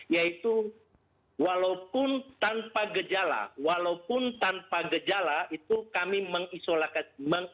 yaitu walaupun tanpa gejala walaupun tanpa gejala itu kami mengisolasi